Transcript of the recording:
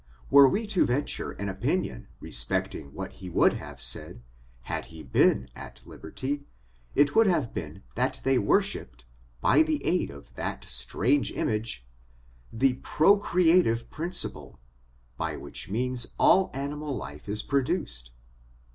Were we to venture an opinion respecting what he would have said, had he been at liberty, it would have been that they wor shiped, by aid of that kind of image, the procrea five principle, by which means all animal life is pro duced.